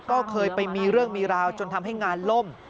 ก็เคยไปมีเรื่องมีราวจนทำให้งานล่ม